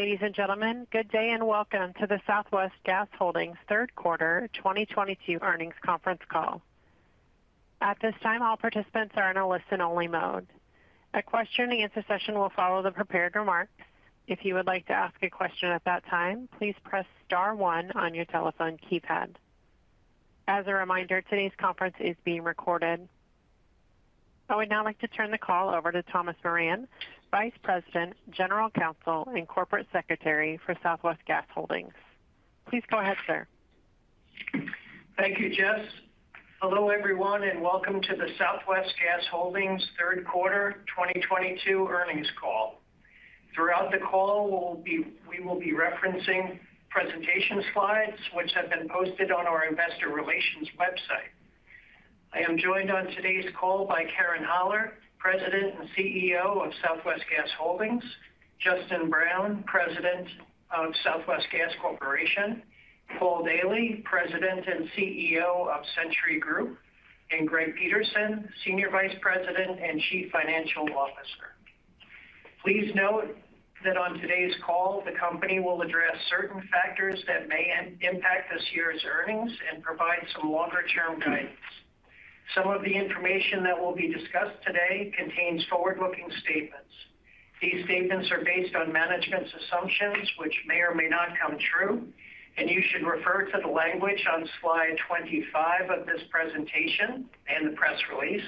Ladies and gentlemen, good day and welcome to the Southwest Gas Holdings third quarter 2022 earnings conference call. At this time, all participants are in a listen-only mode. A question-and-answer session will follow the prepared remarks. If you would like to ask a question at that time, please press star one on your telephone keypad. As a reminder, today's conference is being recorded. I would now like to turn the call over to Thomas Moran, Vice President, General Counsel, and Corporate Secretary for Southwest Gas Holdings. Please go ahead, sir. Thank you, Jess. Hello, everyone, and welcome to the Southwest Gas Holdings third quarter 2022 earnings call. Throughout the call, we will be referencing presentation slides which have been posted on our investor relations website. I am joined on today's call by Karen Haller, President and CEO of Southwest Gas Holdings, Justin Brown, President of Southwest Gas Corporation, Paul Daily, President and CEO of Centuri Group, and Greg Peterson, Senior Vice President and Chief Financial Officer. Please note that on today's call, the company will address certain factors that may impact this year's earnings and provide some longer-term guidance. Some of the information that will be discussed today contains forward-looking statements. These statements are based on management's assumptions which may or may not come true, and you should refer to the language on slide 25 of this presentation and the press release,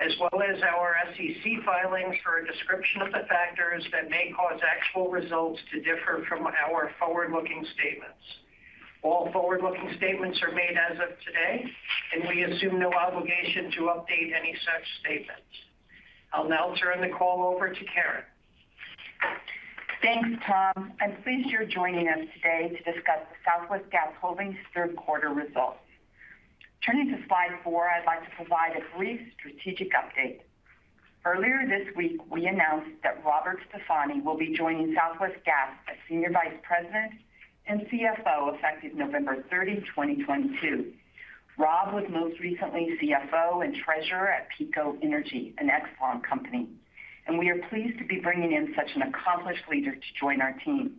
as well as our SEC filings for a description of the factors that may cause actual results to differ from our forward-looking statements. All forward-looking statements are made as of today, and we assume no obligation to update any such statements. I'll now turn the call over to Karen. Thanks, Tom. I'm pleased you're joining us today to discuss the Southwest Gas Holdings third quarter results. Turning to slide 4, I'd like to provide a brief strategic update. Earlier this week, we announced that Robert Stefani will be joining Southwest Gas as Senior Vice President and CFO effective November 30, 2022. Rob was most recently CFO and Treasurer at PECO Energy, an excellent company, and we are pleased to be bringing in such an accomplished leader to join our team.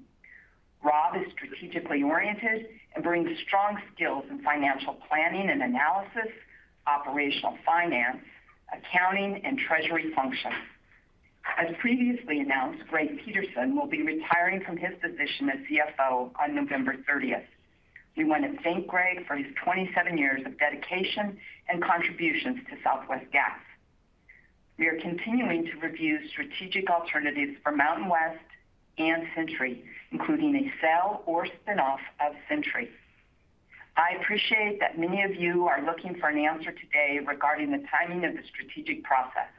Rob is strategically oriented and brings strong skills in financial planning and analysis, operational finance, accounting, and treasury functions. As previously announced, Greg Peterson will be retiring from his position as CFO on November 30. We want to thank Greg for his 27 years of dedication and contributions to Southwest Gas. We are continuing to review strategic alternatives for MountainWest and Centuri, including a sale or spin-off of Centuri. I appreciate that many of you are looking for an answer today regarding the timing of the strategic process.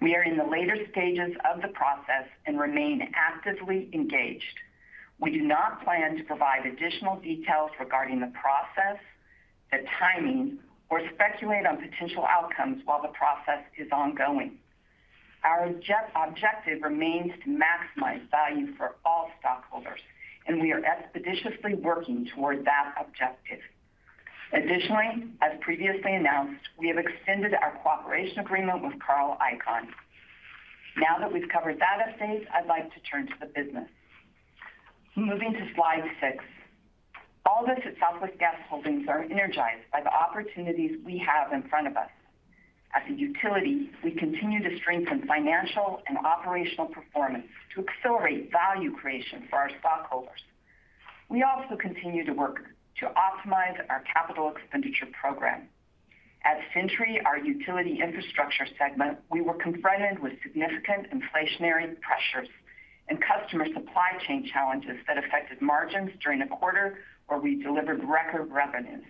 We are in the later stages of the process and remain actively engaged. We do not plan to provide additional details regarding the process, the timing, or speculate on potential outcomes while the process is ongoing. Our objective remains to maximize value for all stockholders, and we are expeditiously working toward that objective. Additionally, as previously announced, we have extended our cooperation agreement with Carl Icahn. Now that we've covered that update, I'd like to turn to the business. Moving to slide 6. All of us at Southwest Gas Holdings are energized by the opportunities we have in front of us. As a utility, we continue to strengthen financial and operational performance to accelerate value creation for our stockholders. We also continue to work to optimize our capital expenditure program. At Centuri, our utility infrastructure segment, we were confronted with significant inflationary pressures and customer supply chain challenges that affected margins during a quarter where we delivered record revenues.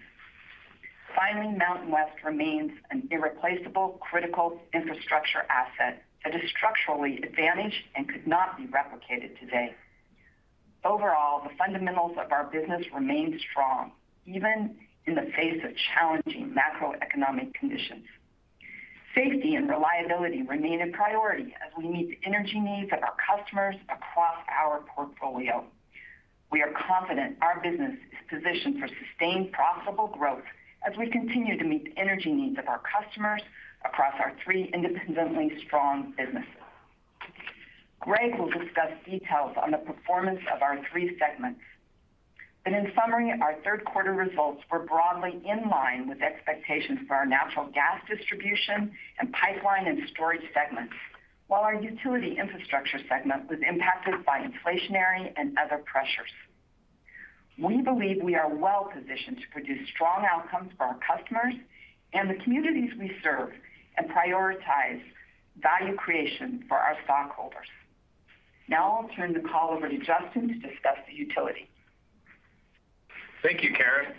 Finally, MountainWest remains an irreplaceable critical infrastructure asset that is structurally advantaged and could not be replicated today. Overall, the fundamentals of our business remain strong, even in the face of challenging macroeconomic conditions. Safety and reliability remain a priority as we meet the energy needs of our customers across our portfolio. We are confident our business is positioned for sustained profitable growth as we continue to meet the energy needs of our customers across our three independently strong businesses. Greg will discuss details on the performance of our three segments. In summary, our third quarter results were broadly in line with expectations for our natural gas distribution and pipeline and storage segments, while our utility infrastructure segment was impacted by inflationary and other pressures. We believe we are well-positioned to produce strong outcomes for our customers and the communities we serve and prioritize value creation for our stockholders. Now I'll turn the call over to Justin to discuss the utility. Thank you, Karen.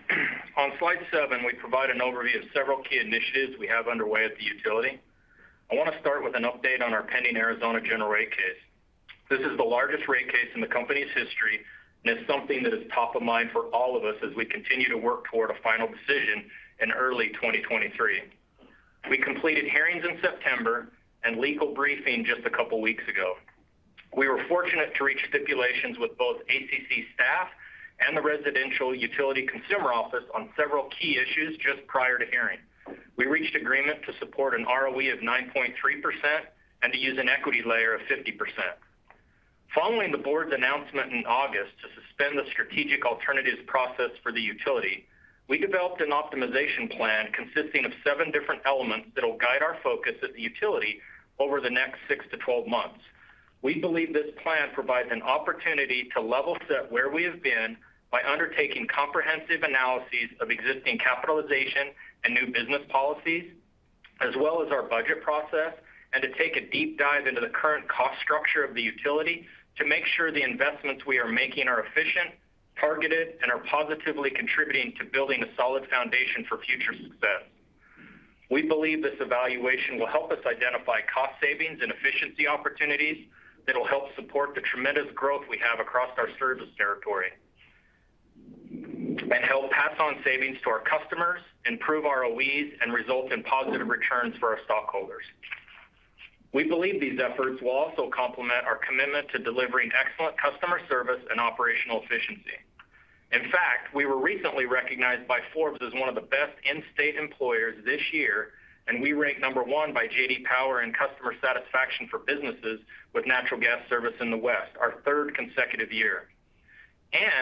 On slide 7, we provide an overview of several key initiatives we have underway at the utility. I want to start with an update on our pending Arizona General Rate Case. This is the largest rate case in the company's history, and it's something that is top of mind for all of us as we continue to work toward a final decision in early 2023. We completed hearings in September and legal briefing just a couple weeks ago. We were fortunate to reach stipulations with both ACC staff and the Residential Utility Consumer Office on several key issues just prior to hearing. We reached agreement to support an ROE of 9.3% and to use an equity layer of 50%. Following the board's announcement in August to suspend the strategic alternatives process for the utility, we developed an optimization plan consisting of 7 different elements that will guide our focus at the utility over the next 6-12 months. We believe this plan provides an opportunity to level set where we have been by undertaking comprehensive analyses of existing capitalization and new business policies, as well as our budget process, and to take a deep dive into the current cost structure of the utility to make sure the investments we are making are efficient, targeted, and are positively contributing to building a solid foundation for future success. We believe this evaluation will help us identify cost savings and efficiency opportunities that will help support the tremendous growth we have across our service territory and help pass on savings to our customers, improve ROEs, and result in positive returns for our stockholders. We believe these efforts will also complement our commitment to delivering excellent customer service and operational efficiency. In fact, we were recently recognized by Forbes as one of the best in-state employers this year, and we rank number one by J.D. Power in customer satisfaction for businesses with natural gas service in the West, our third consecutive year.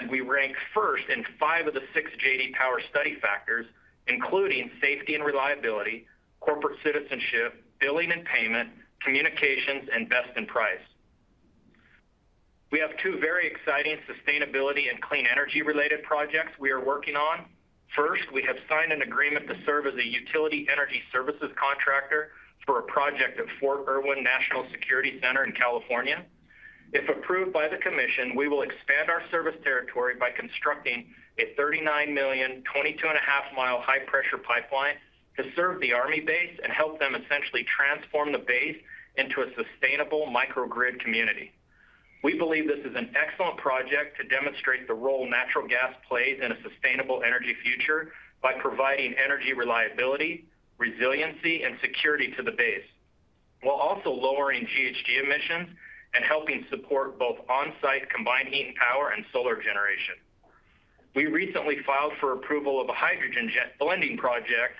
We rank first in five of the six J.D. Power study factors, including safety and reliability, corporate citizenship, billing and payment, communications, and best in price. We have two very exciting sustainability and clean energy-related projects we are working on. First, we have signed an agreement to serve as a utility energy services contractor for a project at Fort Irwin National Training Center in California. If approved by the Commission, we will expand our service territory by constructing a $39 million, 22.5-mile high-pressure pipeline to serve the Army base and help them essentially transform the base into a sustainable microgrid community. We believe this is an excellent project to demonstrate the role natural gas plays in a sustainable energy future by providing energy reliability, resiliency, and security to the base, while also lowering GHG emissions and helping support both on-site combined heat and power and solar generation. We recently filed for approval of a hydrogen blending project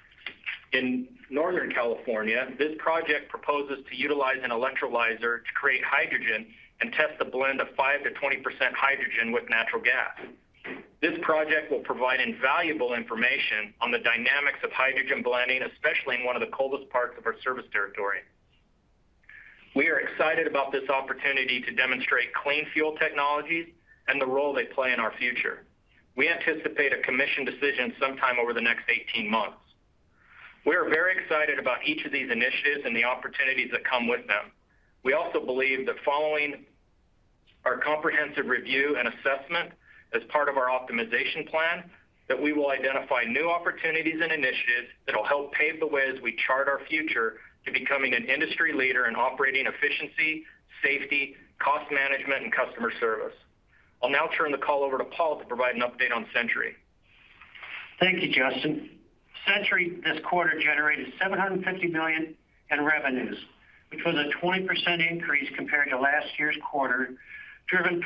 in Northern California. This project proposes to utilize an electrolyzer to create hydrogen and test a blend of 5%-20% hydrogen with natural gas. This project will provide invaluable information on the dynamics of hydrogen blending, especially in one of the coldest parts of our service territory. We are excited about this opportunity to demonstrate clean fuel technologies and the role they play in our future. We anticipate a Commission decision sometime over the next 18 months. We are very excited about each of these initiatives and the opportunities that come with them. We also believe that following our comprehensive review and assessment as part of our optimization plan, that we will identify new opportunities and initiatives that will help pave the way as we chart our future to becoming an industry leader in operating efficiency, safety, cost management, and customer service. I'll now turn the call over to Paul Daly to provide an update on Centuri. Thank you, Justin. Centuri this quarter generated $750 million in revenues, which was a 20% increase compared to last year's quarter, driven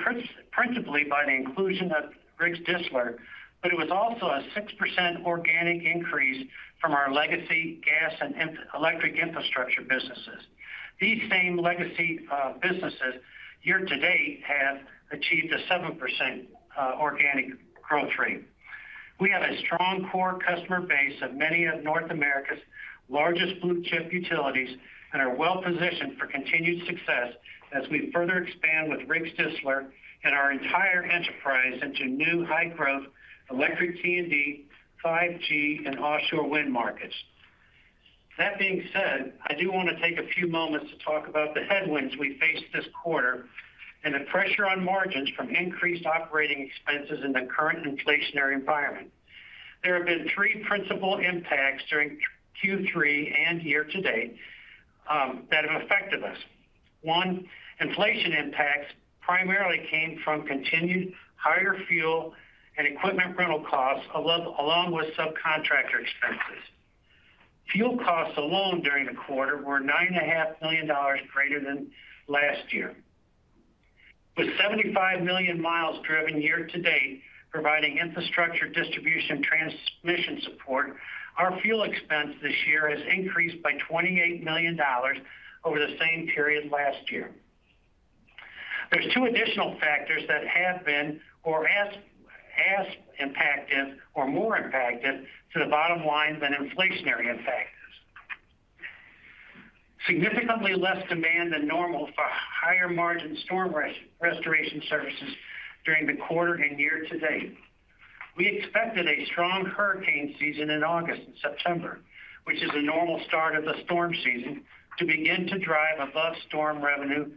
principally by the inclusion of Riggs Distler, but it was also a 6% organic increase from our legacy gas and electric infrastructure businesses. These same legacy businesses year-to-date have achieved a 7% organic growth rate. We have a strong core customer base of many of North America's largest blue-chip utilities and are well-positioned for continued success as we further expand with Riggs Distler and our entire enterprise into new high-growth electric T&D, 5G, and offshore wind markets. That being said, I do want to take a few moments to talk about the headwinds we faced this quarter and the pressure on margins from increased operating expenses in the current inflationary environment. There have been three principal impacts during Q3 and year-to-date that have affected us. One, inflation impacts primarily came from continued higher fuel and equipment rental costs along with subcontractor expenses. Fuel costs alone during the quarter were $9.5 million greater than last year. With 75 million miles driven year-to-date providing infrastructure distribution transmission support, our fuel expense this year has increased by $28 million over the same period last year. There's two additional factors that have been as impactive or more impactive to the bottom line than inflationary factors. Significantly less demand than normal for higher-margin storm restoration services during the quarter and year-to-date. We expected a strong hurricane season in August and September, which is a normal start of the storm season, to begin to drive above-storm revenue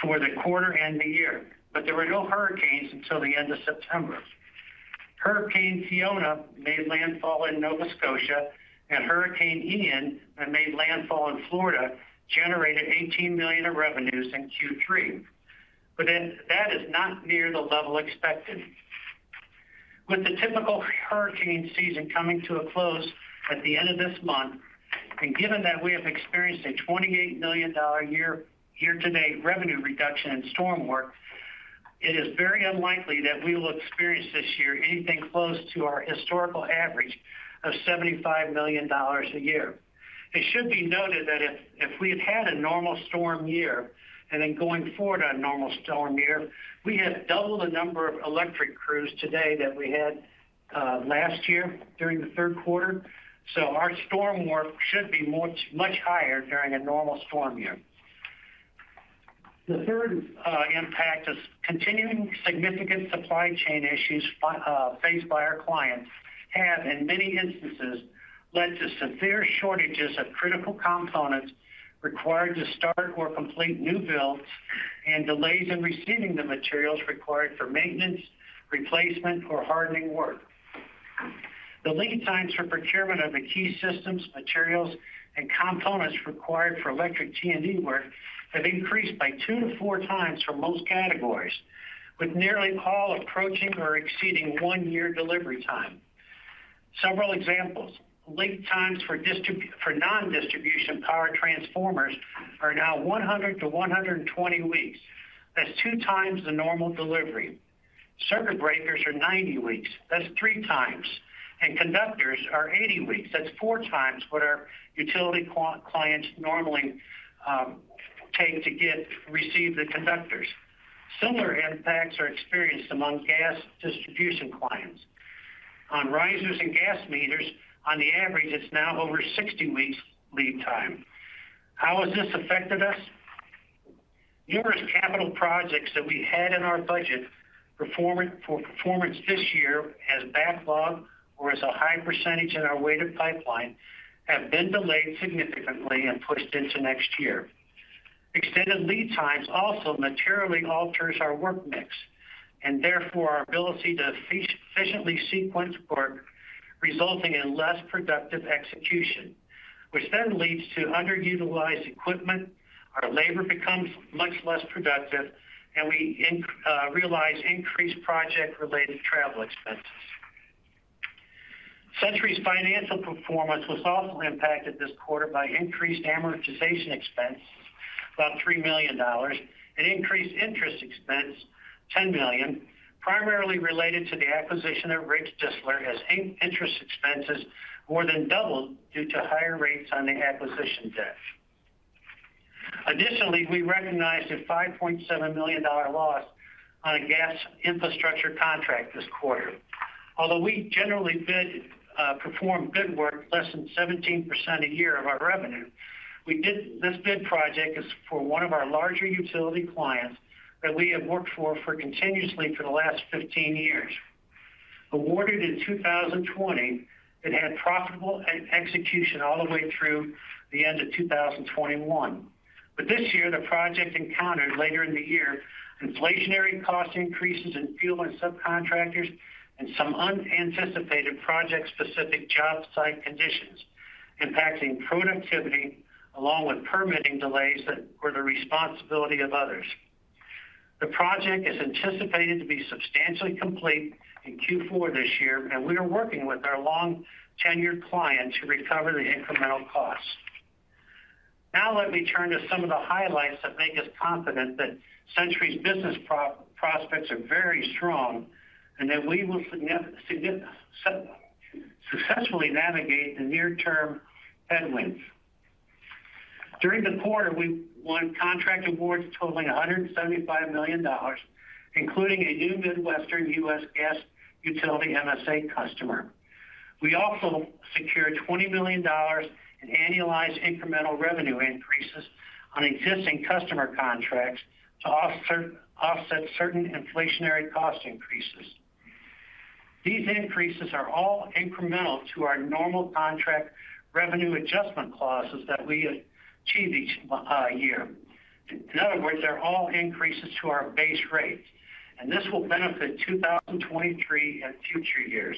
for the quarter and the year. There were no hurricanes until the end of September. Hurricane Fiona made landfall in Nova Scotia, and Hurricane Ian that made landfall in Florida generated $18 million of revenues in Q3. That is not near the level expected. With the typical hurricane season coming to a close at the end of this month, and given that we have experienced a $28 million year-to-date revenue reduction in storm work, it is very unlikely that we will experience this year anything close to our historical average of $75 million a year. It should be noted that if we had had a normal storm year, and then going forward on a normal storm year, we have double the number of electric crews today that we had last year during the third quarter. Our storm work should be much, much higher during a normal storm year. The third impact is continuing significant supply chain issues faced by our clients have, in many instances, led to severe shortages of critical components required to start or complete new builds and delays in receiving the materials required for maintenance, replacement, or hardening work. The lead times for procurement of the key systems, materials, and components required for electric T&D work have increased by 2-4 times for most categories, with nearly all approaching or exceeding 1 year delivery time. Several examples. Lead times for non-distribution power transformers are now 100-120 weeks. That's 2 times the normal delivery. Circuit breakers are 90 weeks. That's 3 times. Conductors are 80 weeks. That's 4 times what our utility clients normally take to receive the conductors. Similar impacts are experienced among gas distribution clients. On risers and gas meters, on the average, it's now over 60 weeks lead time. How has this affected us? Numerous capital projects that we had in our budget for performance this year as backlog or as a high percentage in our weighted pipeline have been delayed significantly and pushed into next year. Extended lead times also materially alter our work mix, and therefore our ability to efficiently sequence work, resulting in less productive execution, which then leads to underutilized equipment, our labor becomes much less productive, and we realize increased project-related travel expenses. Centuri's financial performance was also impacted this quarter by increased amortization expense, about $3 million, and increased interest expense, $10 million, primarily related to the acquisition of Riggs Distler as interest expenses more than doubled due to higher rates on the acquisition debt. Additionally, we recognized a $5.7 million loss on a gas infrastructure contract this quarter. Although we generally bid, perform bid work less than 17% a year of our revenue, this bid project is for one of our larger utility clients that we have worked for continuously for the last 15 years. Awarded in 2020, it had profitable execution all the way through the end of 2021. This year, the project encountered later in the year inflationary cost increases in fuel and subcontractors and some unanticipated project-specific job site conditions impacting productivity along with permitting delays that were the responsibility of others. The project is anticipated to be substantially complete in Q4 this year, and we are working with our long-tenured client to recover the incremental costs. Now let me turn to some of the highlights that make us confident that Centuri's business prospects are very strong and that we will successfully navigate the near-term headwinds. During the quarter, we won contract awards totaling $175 million, including a new Midwestern U.S. gas utility MSA customer. We also secured $20 million in annualized incremental revenue increases on existing customer contracts to offset certain inflationary cost increases. These increases are all incremental to our normal contract revenue adjustment clauses that we achieve each year. In other words, they're all increases to our base rate, and this will benefit 2023 and future years.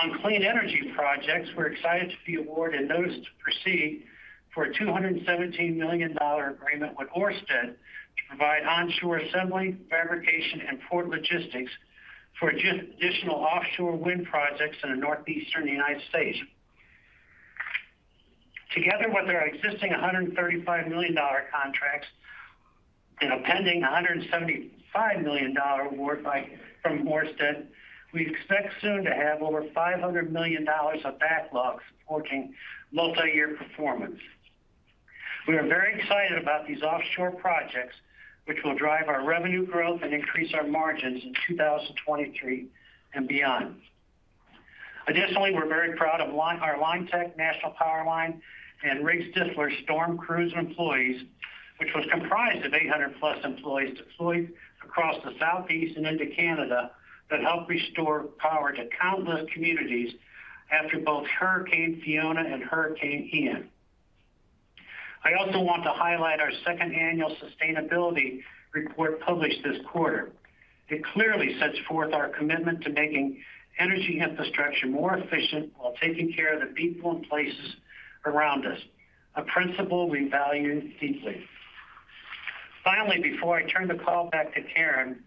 On clean energy projects, we're excited to be awarded notice to proceed for a $217 million agreement with Ørsted to provide onshore assembly, fabrication, and port logistics for additional offshore wind projects in the Northeastern United States. Together with our existing $135 million contracts and a pending $175 million award from Ørsted, we expect soon to have over $500 million of backlog supporting multiyear performance. We are very excited about these offshore projects, which will drive our revenue growth and increase our margins in 2023 and beyond. Additionally, we're very proud of our Linetec Services and National Powerline and Riggs Distler storm crews and employees, which was comprised of 800+ employees deployed across the Southeast and into Canada that helped restore power to countless communities after both Hurricane Fiona and Hurricane Ian. I also want to highlight our second annual sustainability report published this quarter. It clearly sets forth our commitment to making energy infrastructure more efficient while taking care of the people and places around us, a principle we value deeply. Finally, before I turn the call back to Karen,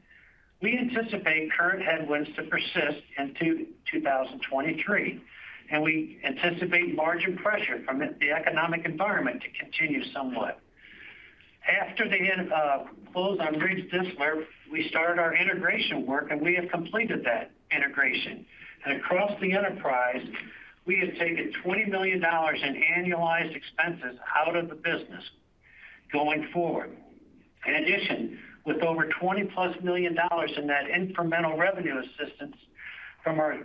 we anticipate current headwinds to persist into 2023, and we anticipate margin pressure from the economic environment to continue somewhat. After the end, close on Riggs Distler, we started our integration work, and we have completed that integration. Across the enterprise, we have taken $20 million in annualized expenses out of the business going forward. In addition, with over $20+ million in that incremental revenue assistance from our,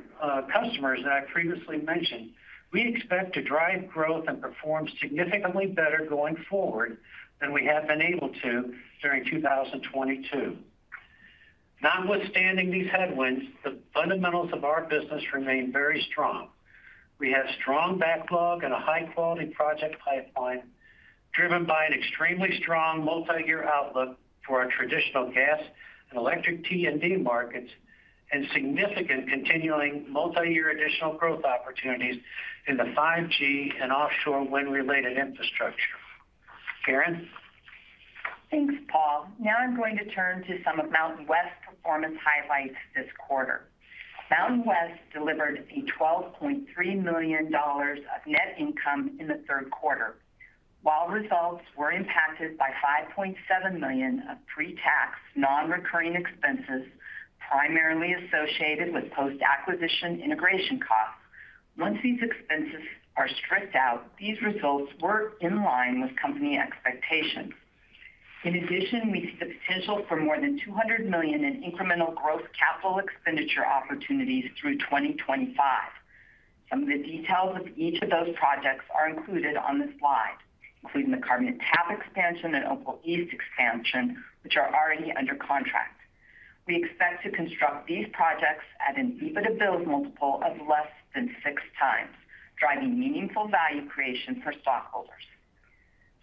customers that I previously mentioned, we expect to drive growth and perform significantly better going forward than we have been able to during 2022. Notwithstanding these headwinds, the fundamentals of our business remain very strong. We have strong backlog and a high-quality project pipeline driven by an extremely strong multi-year outlook for our traditional gas and electric T&D markets and significant continuing multi-year additional growth opportunities in the 5G and offshore wind-related infrastructure. Karen? Thanks, Paul. Now I'm going to turn to some of MountainWest performance highlights this quarter. MountainWest delivered $12.3 million of net income in the third quarter. While results were impacted by $5.7 million of pre-tax, non-recurring expenses primarily associated with post-acquisition integration costs. Once these expenses are stripped out, these results were in line with company expectations. In addition, we see the potential for more than $200 million in incremental growth capital expenditure opportunities through 2025. Some of the details of each of those projects are included on this slide, including the Carbon Tap expansion and Opal East expansion, which are already under contract. We expect to construct these projects at an EBITDA build multiple of less than 6x, driving meaningful value creation for stockholders.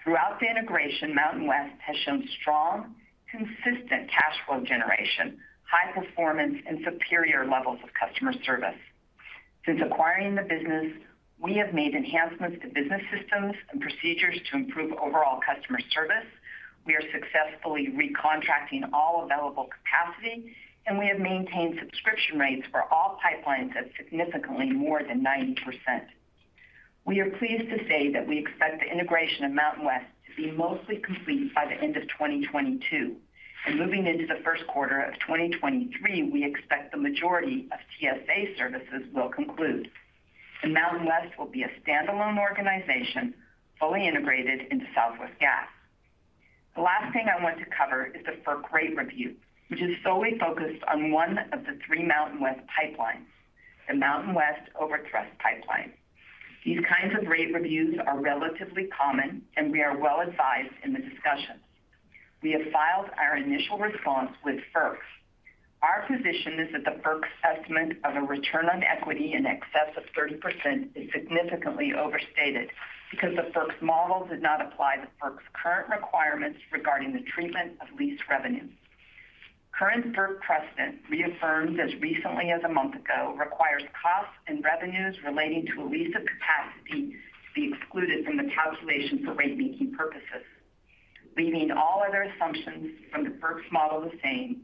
Throughout the integration, MountainWest has shown strong, consistent cash flow generation, high performance, and superior levels of customer service. Since acquiring the business, we have made enhancements to business systems and procedures to improve overall customer service. We are successfully recontracting all available capacity, and we have maintained subscription rates for all pipelines at significantly more than 90%. We are pleased to say that we expect the integration of MountainWest to be mostly complete by the end of 2022. Moving into the first quarter of 2023, we expect the majority of TSA services will conclude. MountainWest will be a standalone organization fully integrated into Southwest Gas. The last thing I want to cover is the FERC rate review, which is solely focused on one of the three MountainWest pipelines, the MountainWest Overthrust Pipeline. These kinds of rate reviews are relatively common, and we are well advised in the discussions. We have filed our initial response with FERC. Our position is that the FERC's assessment of a return on equity in excess of 30% is significantly overstated because the FERC's model did not apply the FERC's current requirements regarding the treatment of lease revenue. Current FERC precedent, reaffirmed as recently as a month ago, requires costs and revenues relating to a lease of capacity to be excluded from the calculation for rate making purposes. Leaving all other assumptions from the FERC's model the same,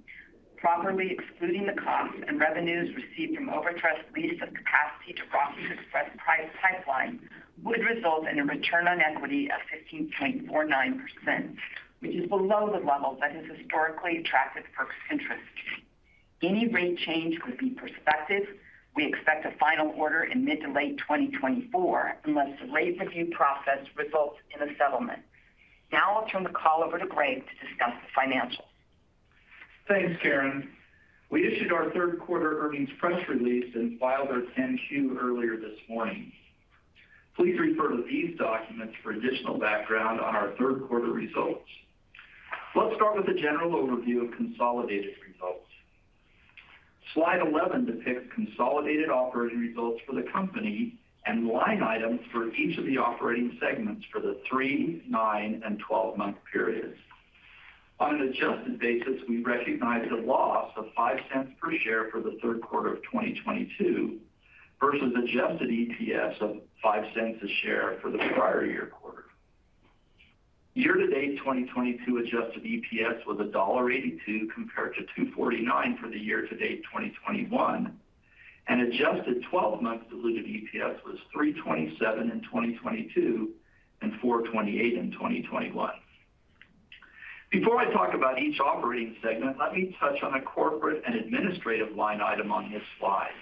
properly excluding the costs and revenues received from Overthrust's lease of capacity to Crusader Pipe Line would result in a return on equity of 15.49%, which is below the level that has historically attracted FERC's interest. Any rate change could be prospective. We expect a final order in mid- to late 2024, unless the rate review process results in a settlement. Now I'll turn the call over to Greg to discuss the financials. Thanks, Karen. We issued our third quarter earnings press release and filed our 10-Q earlier this morning. Please refer to these documents for additional background on our third quarter results. Let's start with a general overview of consolidated results. Slide 11 depicts consolidated operating results for the company and line items for each of the operating segments for the 3-, 9-, and 12-month periods. On an adjusted basis, we recognized a loss of $0.05 per share for the third quarter of 2022 versus adjusted EPS of $0.05 a share for the prior year quarter. Year-to-date 2022 adjusted EPS was $1.82 compared to $2.49 for the year-to-date 2021, and adjusted twelve months diluted EPS was $3.27 in 2022 and $4.28 in 2021. Before I talk about each operating segment, let me touch on the corporate and administrative line item on this slide.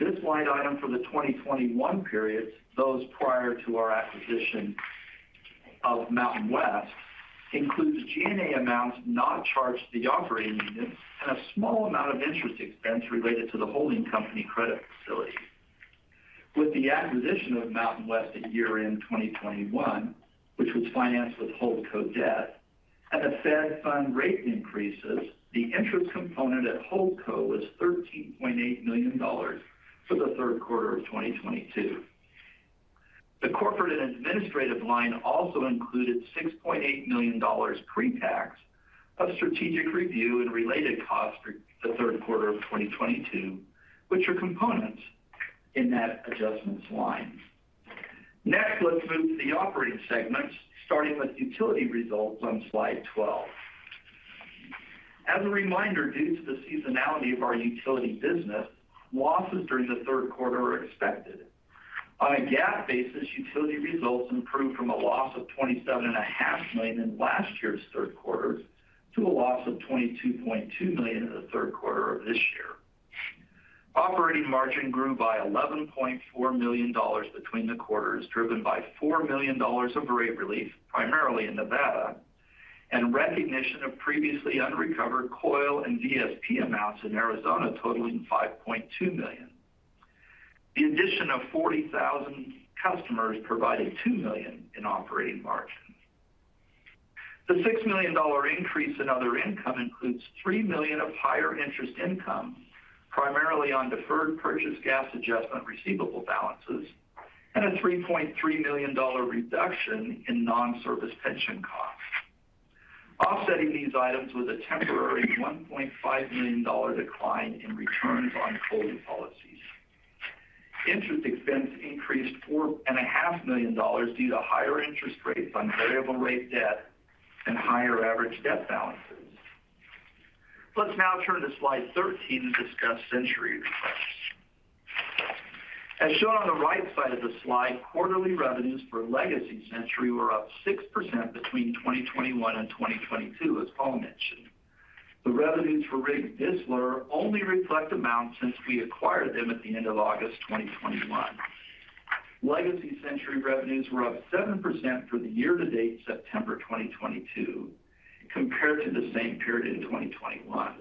This line item for the 2021 periods, those prior to our acquisition of MountainWest, includes G&A amounts not charged to the operating units and a small amount of interest expense related to the holding company credit facility. With the acquisition of MountainWest at year-end 2021, which was financed with holdco debt and the Fed funds rate increases, the interest component at holdco was $13.8 million for the third quarter of 2022. The corporate and administrative line also included $6.8 million pre-tax of strategic review and related costs for the third quarter of 2022, which are components in that adjustments line. Next, let's move to the operating segments, starting with utility results on slide 12. As a reminder, due to the seasonality of our utility business, losses during the third quarter are expected. On a GAAP basis, utility results improved from a loss of $27.5 million in last year's third quarter to a loss of $22.2 million in the third quarter of this year. Operating margin grew by $11.4 million between the quarters, driven by $4 million of rate relief, primarily in Nevada, and recognition of previously unrecovered COLI and DSM amounts in Arizona totaling $5.2 million. The addition of 40,000 customers provided $2 million in operating margins. The $6 million increase in other income includes $3 million of higher interest income, primarily on deferred purchase gas adjustment receivable balances and a $3.3 million reduction in non-service pension costs. Offsetting these items was a temporary $1.5 million decline in returns on COLI policies. Interest expense increased $4.5 million due to higher interest rates on variable rate debt and higher average debt balances. Let's now turn to slide 13 to discuss Centuri results. As shown on the right side of the slide, quarterly revenues for legacy Centuri were up 6% between 2021 and 2022, as Paul mentioned. The revenues for Riggs Distler only reflect amounts since we acquired them at the end of August 2021. Legacy Centuri revenues were up 7% for the year-to-date September 2022 compared to the same period in 2021.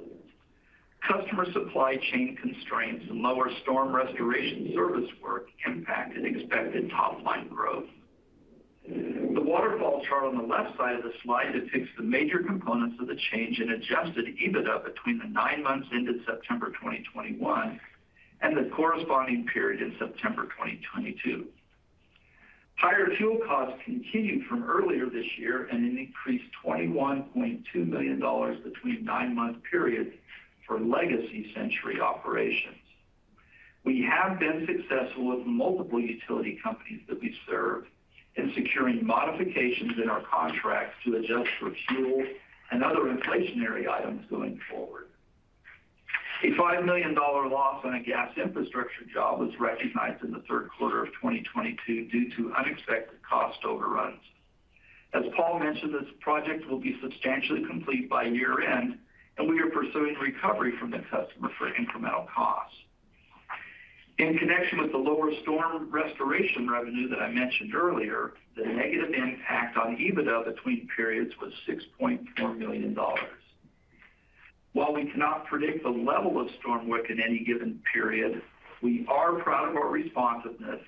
Customer supply chain constraints and lower storm restoration service work impacted expected top-line growth. The waterfall chart on the left side of the slide depicts the major components of the change in adjusted EBITDA between the nine months ended September 2021 and the corresponding period in September 2022. Higher fuel costs continued from earlier this year and increased $21.2 million between nine-month periods for legacy Centuri operations. We have been successful with multiple utility companies that we serve in securing modifications in our contracts to adjust for fuel and other inflationary items going forward. A $5 million loss on a gas infrastructure job was recognized in the third quarter of 2022 due to unexpected cost overruns. As Paul mentioned, this project will be substantially complete by year-end, and we are pursuing recovery from the customer for incremental costs. In connection with the lower storm restoration revenue that I mentioned earlier, the negative impact on EBITDA between periods was $6.4 million. While we cannot predict the level of storm work in any given period, we are proud of our responsiveness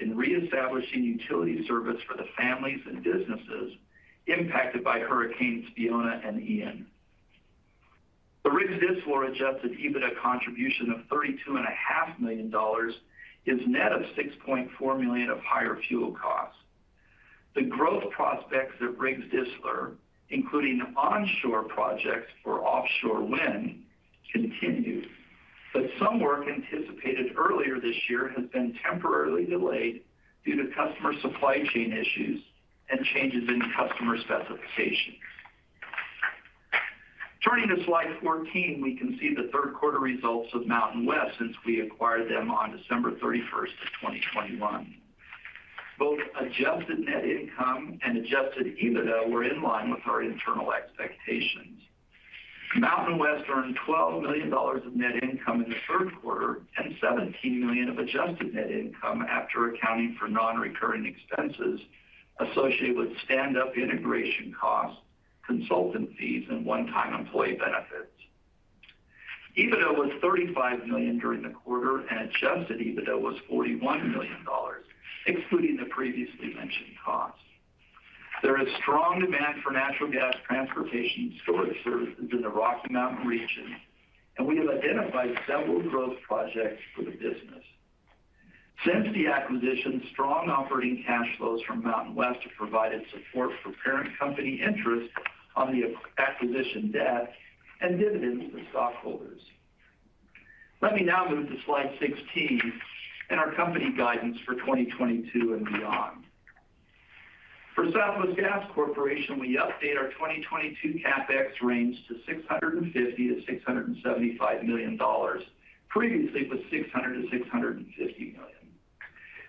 in reestablishing utility service for the families and businesses impacted by hurricanes Fiona and Ian. The Riggs Distler adjusted EBITDA contribution of $32.5 million is net of $6.4 million of higher fuel costs. The growth prospects at Riggs Distler, including onshore projects for offshore wind, continue, but some work anticipated earlier this year has been temporarily delayed due to customer supply chain issues and changes in customer specifications. Turning to slide 14, we can see the third quarter results of MountainWest since we acquired them on December 31, 2021. Both adjusted net income and adjusted EBITDA were in line with our internal expectations. MountainWest earned $12 million of net income in the third quarter and $17 million of adjusted net income after accounting for non-recurring expenses associated with stand-up integration costs, consultant fees, and one-time employee benefits. EBITDA was $35 million during the quarter, and adjusted EBITDA was $41 million, excluding the previously mentioned costs. There is strong demand for natural gas transportation and storage services in the Rocky Mountain region, and we have identified several growth projects for the business. Since the acquisition, strong operating cash flows from MountainWest have provided support for parent company interest on the acquisition debt and dividends to stockholders. Let me now move to slide 16 and our company guidance for 2022 and beyond. For Southwest Gas Corporation, we update our 2022 CapEx range to $650 million-$675 million. Previously, it was $600 million-$650 million.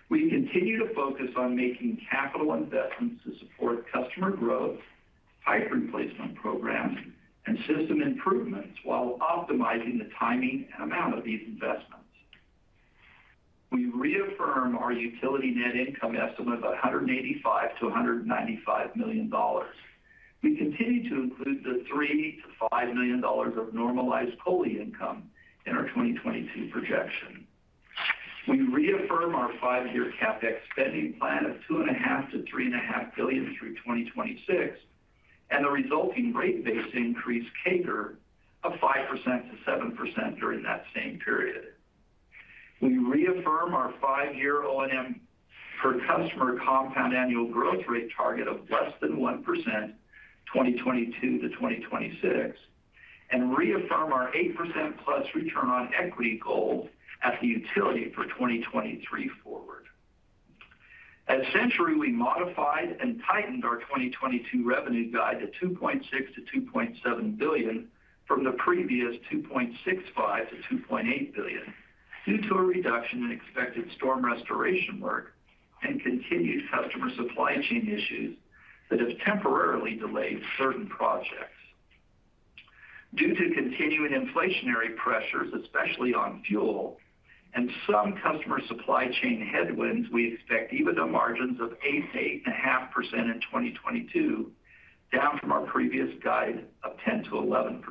We continue to focus on making capital investments to support customer growth, pipe replacement programs, and system improvements while optimizing the timing and amount of these investments. We reaffirm our utility net income estimate of $185 million-$195 million. We continue to include the $3 million-$5 million of normalized COLI income in our 2022 projection. We reaffirm our 5-year CapEx spending plan of $2.5 billion-$3.5 billion through 2026, and the resulting rate base increase CAGR of 5%-7% during that same period. We reaffirm our five-year O&M per customer compound annual growth rate target of less than 1%, 2022-2026. We reaffirm our 8%+ return on equity goal at the utility for 2023 forward. At Centuri, we modified and tightened our 2022 revenue guide to $2.6 billion-$2.7 billion from the previous $2.65 billion-$2.8 billion due to a reduction in expected storm restoration work and continued customer supply chain issues that have temporarily delayed certain projects. Due to continuing inflationary pressures, especially on fuel and some customer supply chain headwinds, we expect EBITDA margins of 8%-8.5% in 2022, down from our previous guide of 10%-11%.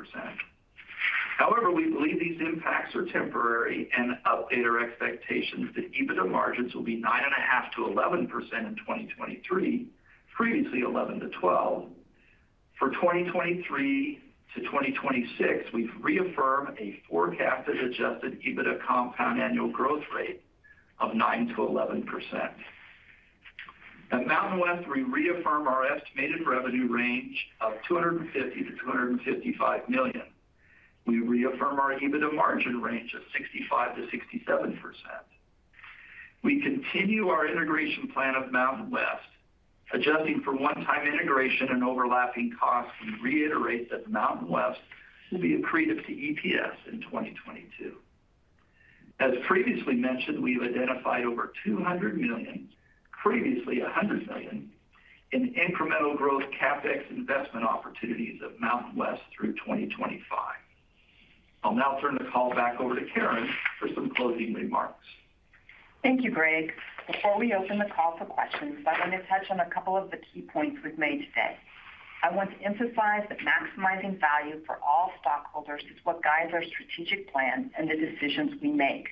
However, we believe these impacts are temporary and update our expectations that EBITDA margins will be 9.5%-11% in 2023, previously 11%-12%. For 2023-2026, we reaffirm a forecasted adjusted EBITDA compound annual growth rate of 9%-11%. At MountainWest, we reaffirm our estimated revenue range of $250 million-$255 million. We reaffirm our EBITDA margin range of 65%-67%. We continue our integration plan of MountainWest, adjusting for one-time integration and overlapping costs, and reiterate that MountainWest will be accretive to EPS in 2022. As previously mentioned, we've identified over $200 million, previously $100 million, in incremental growth CapEx investment opportunities at MountainWest through 2025. I'll now turn the call back over to Karen for some closing remarks. Thank you, Greg. Before we open the call for questions, I want to touch on a couple of the key points we've made today. I want to emphasize that maximizing value for all stockholders is what guides our strategic plan and the decisions we make.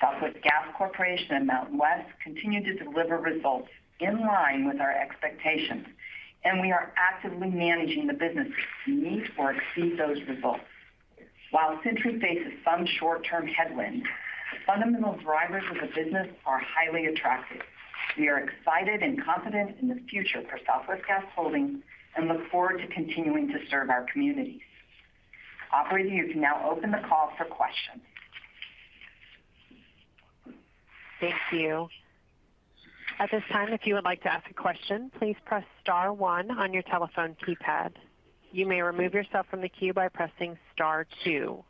Southwest Gas Corporation and MountainWest continue to deliver results in line with our expectations, and we are actively managing the business to meet or exceed those results. While Centuri faces some short-term headwinds, the fundamental drivers of the business are highly attractive. We are excited and confident in the future for Southwest Gas Holdings and look forward to continuing to serve our communities. Operator, you can now open the call for questions. Thank you. At this time, if you would like to ask a question, please press star one on your telephone keypad. You may remove yourself from the queue by pressing star two.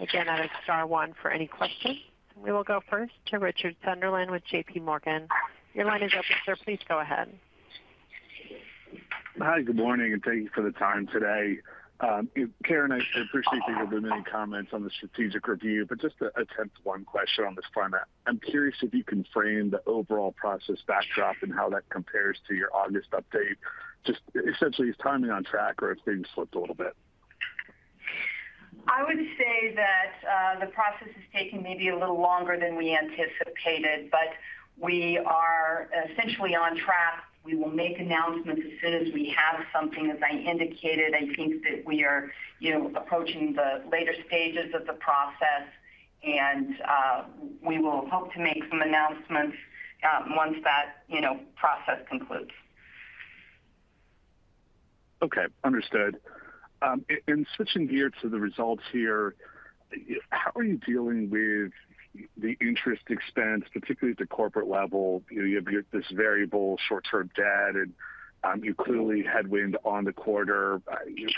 Again, that is star one for any questions. We will go first to Richard Sunderland with JPMorgan. Your line is open, sir. Please go ahead. Hi, good morning, and thank you for the time today. Karen, I appreciate that you've given many comments on the strategic review, but just to attempt one question on this front. I'm curious if you can frame the overall process backdrop and how that compares to your August update. Just essentially, is timing on track or it's being slipped a little bit? I would say that the process is taking maybe a little longer than we anticipated, but we are essentially on track. We will make announcements as soon as we have something. As I indicated, I think that we are, you know, approaching the later stages of the process, and we will hope to make some announcements once that, you know, process concludes. Okay. Understood. In switching gears to the results here, how are you dealing with the interest expense, particularly at the corporate level? You know, you have this variable short-term debt and you clearly had win on the quarter.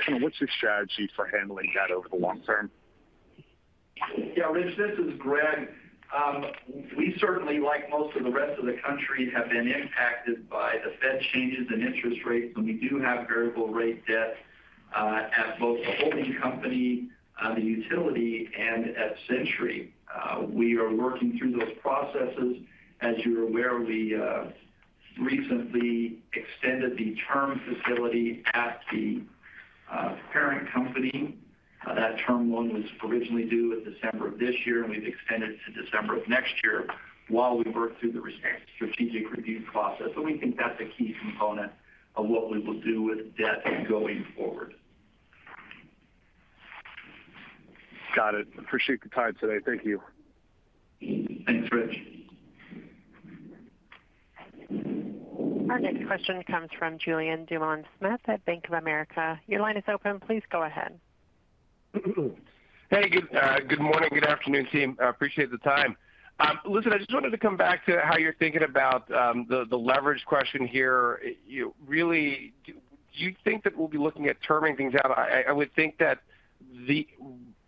Kind of what's your strategy for handling that over the long term? Yeah, Rich, this is Greg. We certainly, like most of the rest of the country, have been impacted by the Fed changes in interest rates, and we do have variable rate debt at both the holding company, the utility, and at Centuri. We are working through those processes. As you're aware, we recently extended the term facility at the parent company. That term loan was originally due in December of this year, and we've extended to December of next year while we work through the strategic review process. We think that's a key component of what we will do with debt going forward. Got it. Appreciate the time today. Thank you. Thanks, Rich. Our next question comes from Julien Dumoulin-Smith at Bank of America. Your line is open. Please go ahead. Hey, good morning, good afternoon, team. I appreciate the time. Listen, I just wanted to come back to how you're thinking about the leverage question here. You know, really, do you think that we'll be looking at terming things out? I would think that the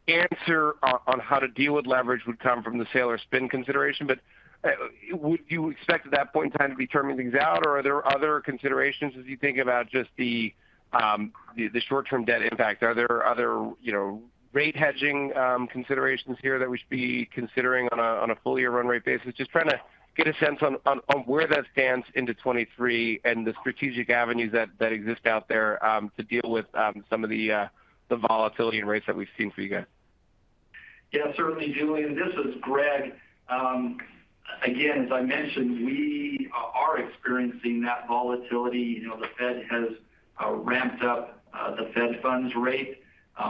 answer on how to deal with leverage would come from the sale or spin consideration. Would you expect at that point in time to be terming things out, or are there other considerations as you think about just the short-term debt impact? Are there other, you know, rate hedging considerations here that we should be considering on a full year run rate basis? Just trying to get a sense on where that stands into 2023 and the strategic avenues that exist out there to deal with some of the volatility in rates that we've seen for you guys. Yeah, certainly, Julien. This is Greg. Again, as I mentioned, we are experiencing that volatility. You know, the Fed has ramped up the Fed funds rate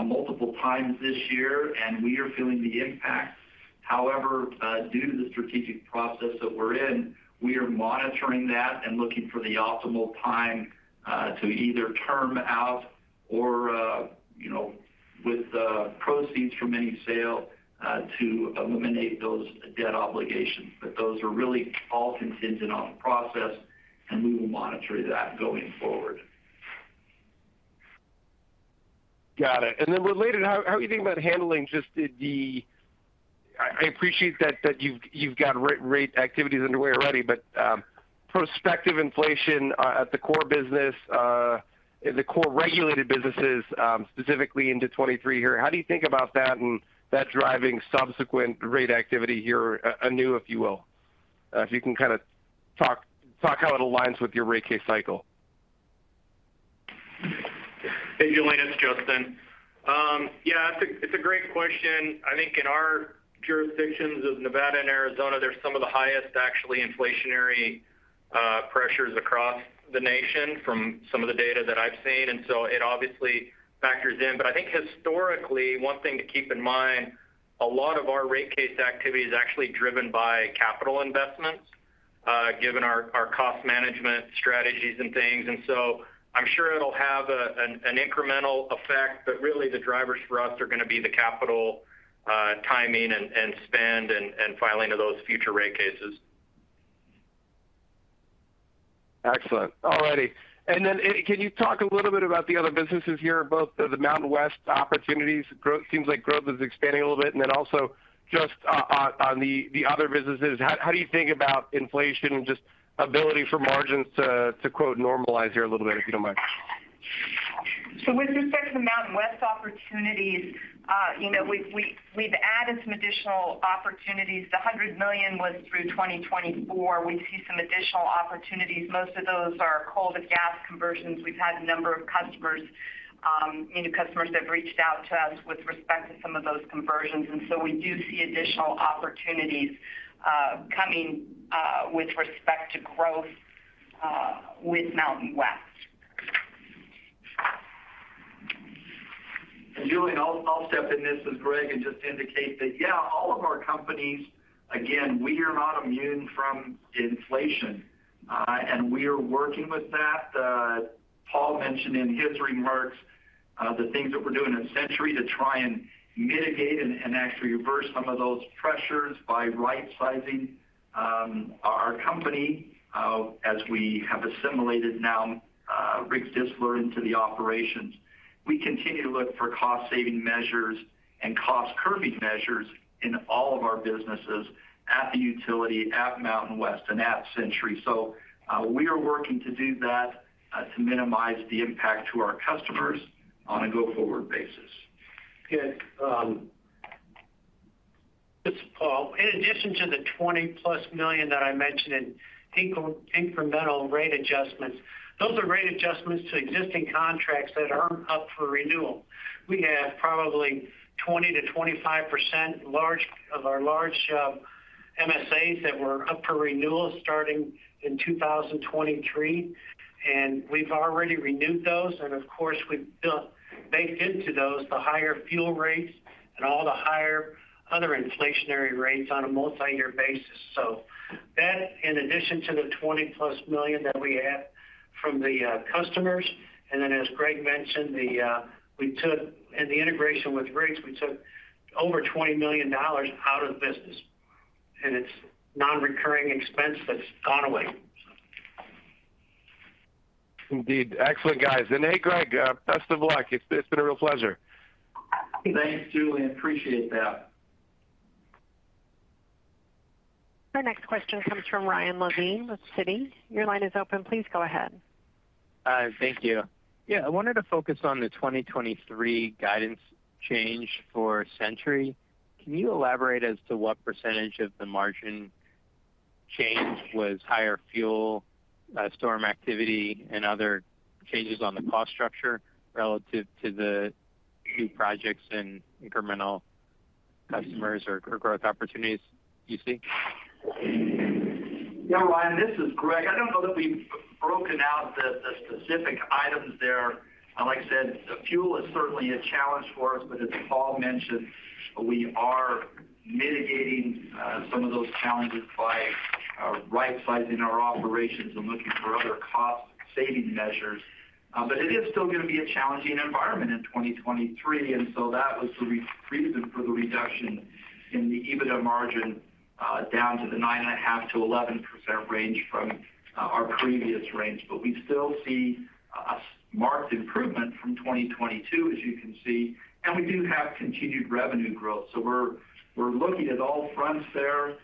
multiple times this year, and we are feeling the impacts. However, due to the strategic process that we're in, we are monitoring that and looking for the optimal time to either term out or, you know, with the proceeds from any sale to eliminate those debt obligations. Those are really all contingent on the process, and we will monitor that going forward. Got it. Related, how are you thinking about handling just the I appreciate that you've got rate activities underway already, but prospective inflation at the core business, the core regulated businesses, specifically into 2023 here. How do you think about that and that driving subsequent rate activity here anew, if you will? If you can kind of talk how it aligns with your rate case cycle. Hey, Julien, it's Justin. Yeah, it's a great question. I think in our jurisdictions of Nevada and Arizona, there's some of the highest actually inflationary pressures across the nation from some of the data that I've seen. It obviously factors in. I think historically, one thing to keep in mind, a lot of our rate case activity is actually driven by capital investments, given our cost management strategies and things. I'm sure it'll have an incremental effect, but really the drivers for us are going to be the capital timing and spend and filing of those future rate cases. Excellent. All righty. Can you talk a little bit about the other businesses here, both the MountainWest opportunities growth. Seems like growth is expanding a little bit. Also just on the other businesses, how do you think about inflation and just ability for margins to quote normalize here a little bit, if you don't mind? With respect to the MountainWest opportunities, we've added some additional opportunities. The $100 million was through 2024. We see some additional opportunities. Most of those are coal-to-gas conversions. We've had a number of customers that reached out to us with respect to some of those conversions. We do see additional opportunities coming with respect to growth with MountainWest. Julien, I'll step in. This is Greg, and just indicate that, yeah, all of our companies, again, we are not immune from inflation, and we are working with that. Paul mentioned in his remarks, the things that we're doing at Centuri to try and mitigate and actually reverse some of those pressures by right-sizing, our company, as we have assimilated now, Riggs Distler into the operations. We continue to look for cost-saving measures and cost-curbing measures in all of our businesses at the utility, at MountainWest, and at Centuri. We are working to do that, to minimize the impact to our customers on a go-forward basis. Good. This is Paul Daly. In addition to the $20+ million that I mentioned in incremental rate adjustments, those are rate adjustments to existing contracts that aren't up for renewal. We have probably 20%-25% of our large MSAs that were up for renewal starting in 2023, and we've already renewed those. Of course, we've baked into those the higher fuel rates and all the higher other inflationary rates on a multiyear basis. That in addition to the $20+ million that we had from the customers. As Greg Peterson mentioned, in the integration with rates, we took over $20 million out of the business. It's non-recurring expense that's gone away. Indeed. Excellent, guys. Hey, Greg, best of luck. It's been a real pleasure. Thanks, Julien. Appreciate that. Our next question comes from Ryan Levine with Citi. Your line is open. Please go ahead. Hi. Thank you. Yeah, I wanted to focus on the 2023 guidance change for Centuri. Can you elaborate as to what percentage of the margin change was higher fuel, storm activity, and other changes on the cost structure relative to the new projects and incremental customers or growth opportunities you see? Yeah, Ryan, this is Greg. I don't know that we've broken out the specific items there. Like I said, the fuel is certainly a challenge for us, but as Paul mentioned, we are mitigating some of those challenges by right-sizing our operations and looking for other cost-saving measures. It is still going to be a challenging environment in 2023. That was the reason for the reduction in the EBITDA margin down to the 9.5%-11% range from our previous range. We still see a marked improvement from 2022, as you can see, and we do have continued revenue growth. We're looking at all fronts there,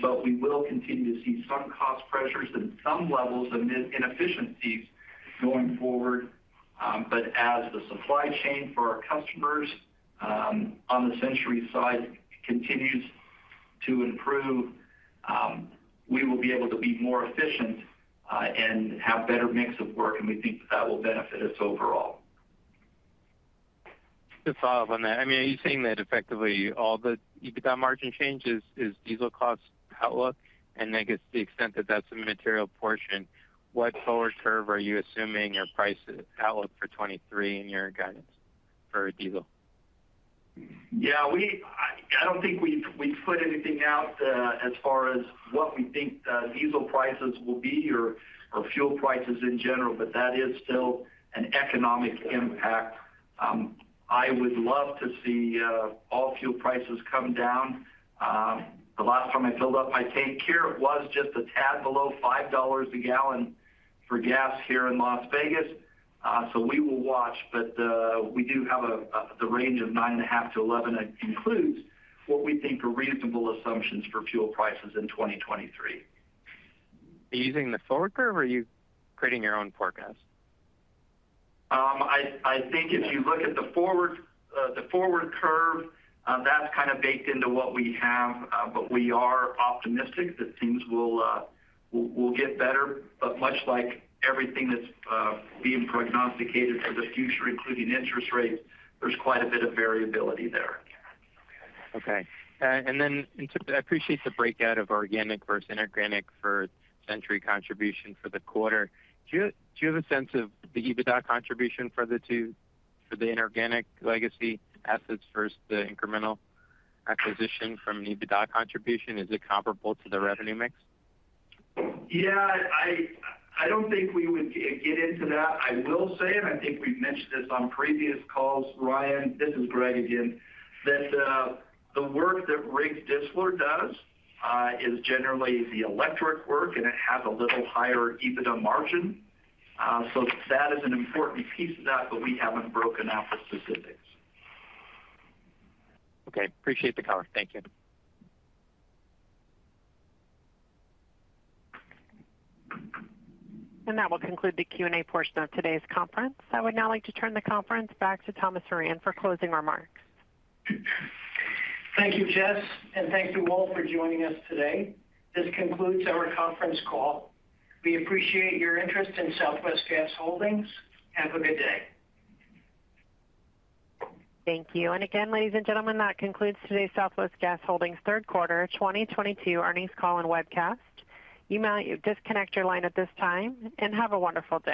but we will continue to see some cost pressures and some levels of inefficiencies going forward. As the supply chain for our customers on the Centuri side continues to improve, we will be able to be more efficient and have better mix of work, and we think that will benefit us overall. Just to follow up on that. I mean, are you saying that effectively all the EBITDA margin change is diesel cost outlook? I guess to the extent that that's a material portion, what forward curve are you assuming or price outlook for 2023 in your guidance for diesel? Yeah, I don't think we put anything out as far as what we think diesel prices will be or fuel prices in general, but that is still an economic impact. I would love to see all fuel prices come down. The last time I filled up my tank here, it was just a tad below $5 a gallon for gas here in Las Vegas. We will watch, but we do have the range of 9.5-11 includes what we think are reasonable assumptions for fuel prices in 2023. Are you using the forward curve or are you creating your own forecast? I think if you look at the forward curve, that's kind of baked into what we have, but we are optimistic that things will get better. Much like everything that's being prognosticated for the future, including interest rates, there's quite a bit of variability there. Okay. Then in terms of, I appreciate the breakout of organic versus inorganic for Centuri contribution for the quarter. Do you have a sense of the EBITDA contribution for the two, for the inorganic legacy assets versus the incremental acquisition of an EBITDA contribution? Is it comparable to the revenue mix? Yeah, I don't think we would get into that. I will say, and I think we've mentioned this on previous calls, Ryan. This is Greg again. That, the work that Riggs Distler does, is generally the electric work, and it has a little higher EBITDA margin. That is an important piece of that, but we haven't broken out the specifics. Okay. Appreciate the color. Thank you. That will conclude the Q&A portion of today's conference. I would now like to turn the conference back to Thomas Moran for closing remarks. Thank you, Jess, and thank you all for joining us today. This concludes our conference call. We appreciate your interest in Southwest Gas Holdings. Have a good day. Thank you. Ladies and gentlemen, that concludes today's Southwest Gas Holdings third quarter 2022 earnings call and webcast. You may disconnect your line at this time, and have a wonderful day.